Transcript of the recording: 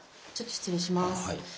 ちょっと失礼します。